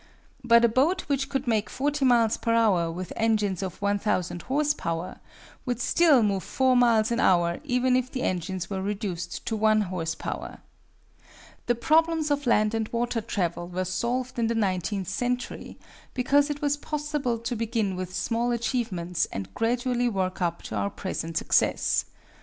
But a boat which could make 40 miles per hour with engines of 1,000 horse power would still move four miles an hour even if the engines were reduced to one horse power. The problems of land and water travel were solved in the nineteenth century, because it was possible to begin with small achievements and gradually work up to our present success.